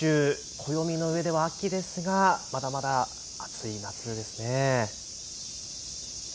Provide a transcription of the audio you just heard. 暦の上では秋ですがまだまだ暑い夏ですね。